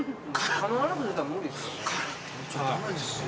必ず出たら無理ですよ。